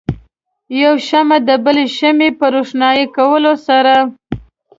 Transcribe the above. یو شمع د بلې شمعې په روښانه کولو سره.